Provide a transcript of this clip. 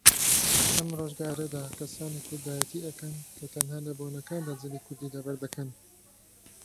لەم ڕۆژگارەدا کەسانێک کوردایەتی ئەکەن کە تەنها لە بۆنەکاندا جلی کوردی لەبەردەکەن